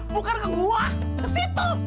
bukan ke gua kesitu